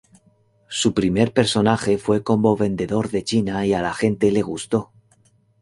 Su primer personaje fue como vendedor de China y a la gente le gustó.